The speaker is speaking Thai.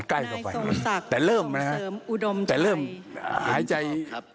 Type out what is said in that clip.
นะครับแต่เริ่มค่ะแต่เริ่มหายใจ